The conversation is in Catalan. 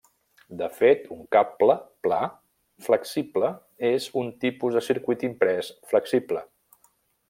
De fet, un cable pla flexible és un tipus de circuit imprès flexible.